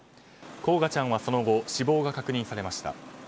煌翔ちゃんはその後死亡が確認されました。